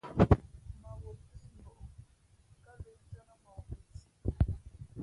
Mᾱvǒ pí mbᾱʼ ō kάlə̄ndʉ́ά nά mᾱŋū kilísimǐ .